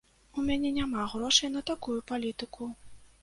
У мяне няма грошай на такую палітыку.